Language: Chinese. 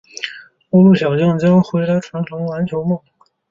旅陆小将回来传承篮球梦